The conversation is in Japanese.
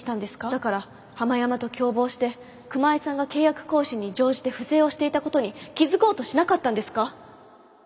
だからハマヤマと共謀して熊井さんが契約更新に乗じて不正をしていたことに気付こうとしなかったんですか？